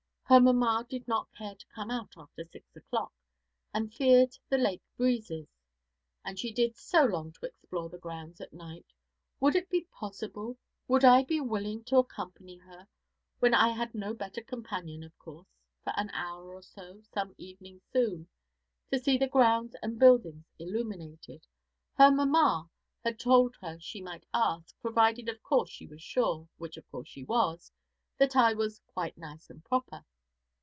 Her "mamma" did not care to come out after six o'clock, she feared the lake breezes; and she did so long to explore the grounds at night. Would it be possible would I be willing to accompany her, when I had no better companion, of course, for an hour or so, some evening soon, to see the grounds and buildings illuminated? Her "mamma" had told her she might ask, provided of course she was sure, which of course she was, that I was "quite nice and proper."